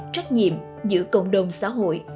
trách nhiệm giữa cộng đồng xã hội